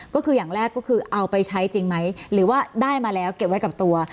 ก็คืออย่างแรกก็คือเอาไปใช้จริงไหมหรือว่าได้มาแล้วเก็บไว้กับตัว